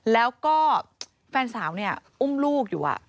แล้วก็แฟนสาวเนี่ยอุ้มลูกอยู่